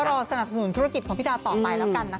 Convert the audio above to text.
รอสนับสนุนธุรกิจของพี่ดาวต่อไปแล้วกันนะคะ